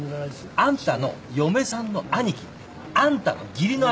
あんたの嫁さんの兄貴。あんたの義理の兄。